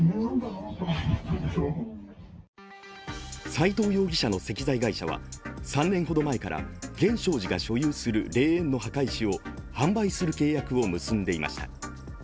斉藤容疑者の石材会社は３年ほど前から源証寺が所有する霊園の墓石を販売する契約を結んでいました。